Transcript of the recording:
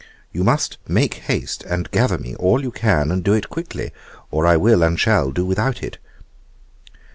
'You must make haste and gather me all you can, and do it quickly, or I will and shall do without it.